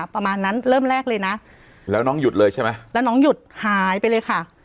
ประมาณนั้นเริ่มแรกเลยนะแล้วน้องหยุดเลยใช่ไหมแล้วน้องหยุดหายไปเลยค่ะ